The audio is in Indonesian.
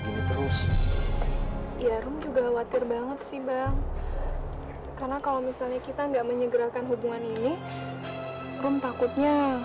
hubungan ini rom takutnya